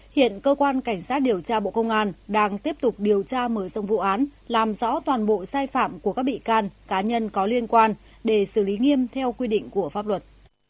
hiện cơ quan cảnh sát điều tra bộ công an đang tiếp tục điều tra mở rộng vụ án làm rõ toàn bộ sai phạm của các bị can cá nhân có liên quan để xử lý nghiêm theo quy định của pháp luật